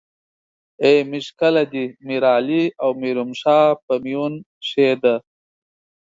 ای ميژ کله دې ميرعلي او میرومشا په میون شې ده